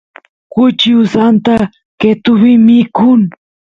kuchi usanta qetuvi mikun